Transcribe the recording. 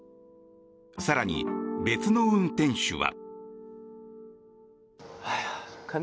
更に、別の運転手は。